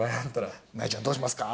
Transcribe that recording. なえちゃん、どうしますか？